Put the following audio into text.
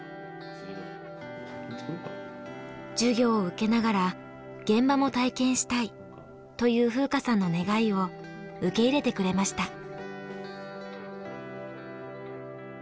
「授業を受けながら現場も体験したい」という風花さんの願いを受け入れてくれました。